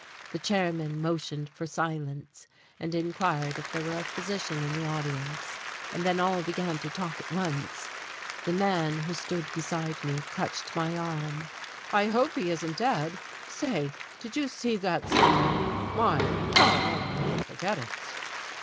The chairman motioned for silence and inquired if there were a physician in the audience, and then all began to talk at once. The man who stood beside me clutched my arm. "I hope he isn't dead! Say, did you see that smile? My God, I'll never forget it!"